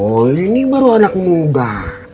oli ini baru anak muda